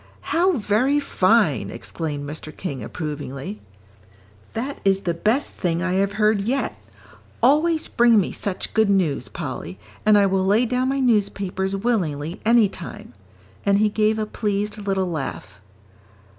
"How very fine!" exclaimed Mr. King, approvingly; "that is the best thing I have heard yet. Always bring me such good news, Polly, and I will lay down my newspapers willingly any time." And he gave a pleased little laugh.